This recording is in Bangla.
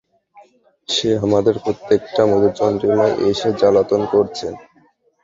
সে আমাদের প্রত্যেকটা মধুচন্দ্রিমায় এসে জ্বালাতন করছে।